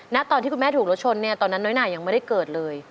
ตอนที่คุณแม่ถูกรถชนเนี่ยตอนนั้นน้อยหนายังไม่ได้เกิดเลย